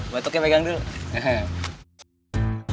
batuknya pegang dulu